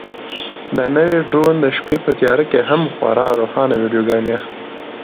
دا نوی ډرون د شپې په تیاره کې هم خورا روښانه ویډیوګانې اخلي.